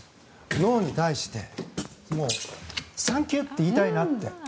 脳に対してサンキューって言いたいなって。